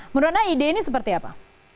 menurut anda ide ini seperti apa